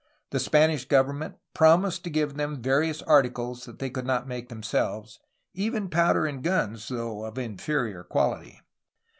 The Spanish government promised to give them various articles they could not make themselves, — even powder and guns, though of inferior quality.